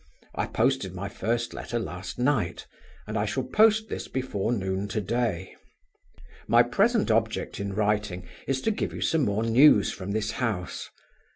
I posted my first letter last night, and I shall post this before noon to day. "My present object in writing is to give you some more news from this house.